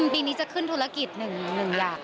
ปีนี้จะขึ้นธุรกิจหนึ่งอย่าง